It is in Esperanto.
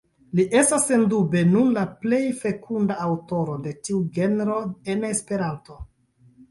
Li estas sendube nun la plej fekunda aŭtoro de tiu genro en Esperanto.